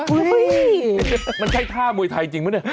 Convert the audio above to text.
มันใช่ท่ามวยไทยจริงปะเนี่ย